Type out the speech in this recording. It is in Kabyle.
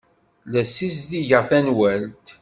La ssizdigeɣ tanwalt.